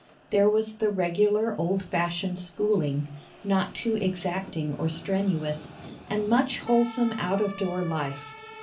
There was the regular old fashioned schooling, not too exacting or strenuous, and much wholesome out of door life.